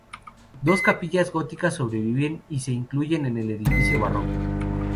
Dos capillas góticas sobreviven y se incluyen en el edificio barroco.